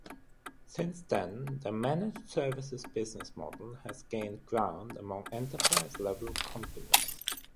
Since then, the managed services business model has gained ground among enterprise level companies.